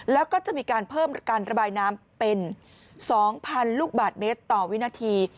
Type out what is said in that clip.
แล้วก็จะมีการเพิ่มการระบายน้ำเป็น๒๐๐๐ลูกบาทเมตรต่อวินาที